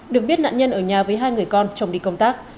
được biết nạn nhân ở nhà với hai người con chồng đi công tác